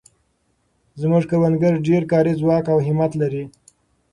زموږ کروندګر ډېر کاري ځواک او همت لري.